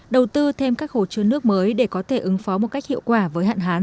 đầu tư thêm các hồ chứa nước mới để có thể ứng phó một cách hiệu quả với hạn hán